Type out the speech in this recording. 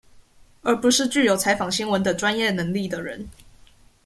而不是具有採訪新聞的專業能力的人